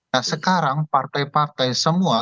nah sekarang partai partai semua